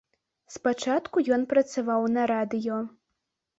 Спачатку ён працаваў на радыё.